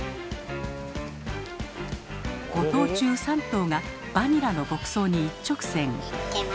５頭中３頭が「バニラ」の牧草に一直線。